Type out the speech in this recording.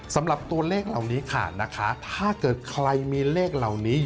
สำหรับตัวเลขเหล่านี้ค่ะนะคะถ้าเกิดใครมีเลขเหล่านี้